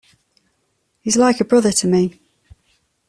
He's like a brother to me.